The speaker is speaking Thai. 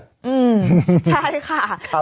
ใช่ค่ะ